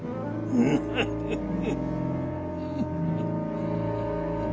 フフフフ。